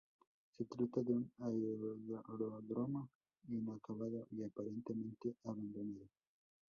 Se trata de un aeródromo inacabado y aparentemente abandonado.